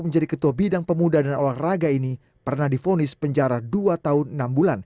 setiap hari dua puluh empat jam